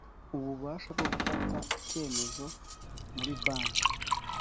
ububasha bwo gufata icyemezo muri banki